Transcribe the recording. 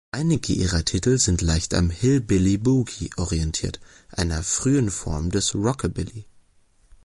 Einige ihrer Titel sind leicht am "Hillbilly Boogie" orientiert, einer frühen Form des Rockabilly.